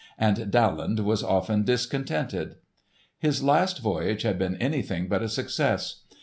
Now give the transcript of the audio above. —and Daland was often discontented. His last voyage had been anything but a success.